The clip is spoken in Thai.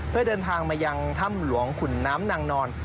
เพื่อเดินทางมายังถ้ำหลวงขุนน้ำนางนอน